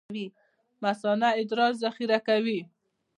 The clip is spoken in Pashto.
مثانه ادرار ذخیره کوي